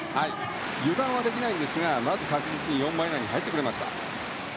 油断はできないんですがまず確実に４番以内に入ってくれました。